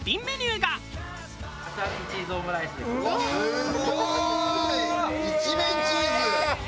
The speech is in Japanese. すごい！一面チーズ。